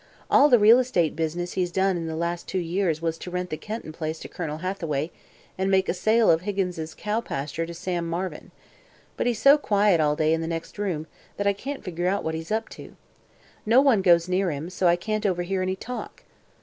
"All the real estate business he's done in the last two years was to rent the Kenton Place to Colonel Hathaway and make a sale of Higgins' cow pasture to Sam Marvin. But he's so quiet, all day, in the next room, that I can't figure out what he's up to. No one goes near him, so I can't overhear any talk.